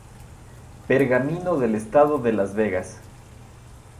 Pergamino del estado de Las Vegas.